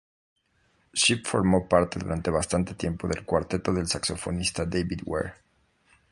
Shipp formó parte durante bastante tiempo del cuarteto del saxofonista David Ware.